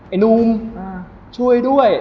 ไอ้นุ่มช่วยด้วย